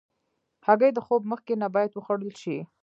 هګۍ د خوب مخکې نه باید وخوړل شي.